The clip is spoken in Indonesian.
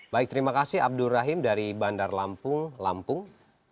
baik terima kasih abdur rahim dari bandar lampung lampung